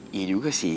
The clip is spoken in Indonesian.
iya juga sih